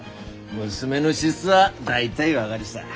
娘の資質は大体分がるさ。